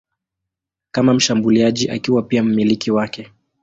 kama mshambuliaji akiwa pia mmiliki wake.